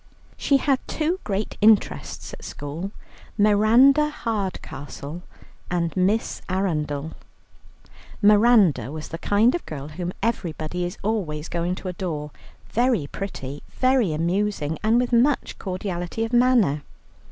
She had two great interests at school, Miranda Hardcastle and Miss Arundel. Miranda was the kind of girl whom everybody is always going to adore, very pretty, very amusing, and with much cordiality of manner.